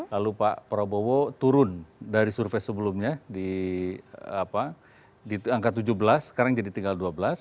lalu pak prabowo turun dari survei sebelumnya di angka tujuh belas sekarang jadi tinggal dua belas